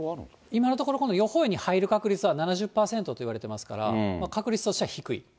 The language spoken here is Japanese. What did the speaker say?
今のところ、予報円に入る確率は、７０％といわれていますから、確率としては低い。